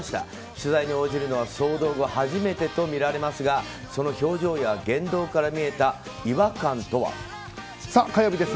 取材に応じるのは騒動後初めてとみられますがその表情や言動から見えた火曜日です。